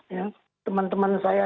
ya teman teman saya